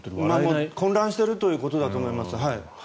混乱しているということだと思います。